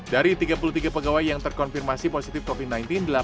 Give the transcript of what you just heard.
dari tiga puluh tiga pegawai yang terkonfirmasi positif covid sembilan belas